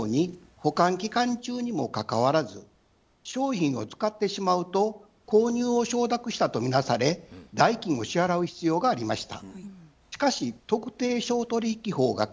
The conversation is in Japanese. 保管期間中にもかかわらず商品を使ってしまうと購入を承諾したとみなされ代金を支払う必要がありました。